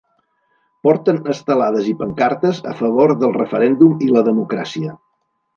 Porten estelades i pancartes a favor del referèndum i la democràcia.